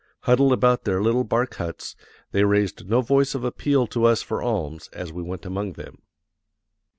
Huddled about their little bark huts, they raised no voice of appeal to us for alms as we went among them....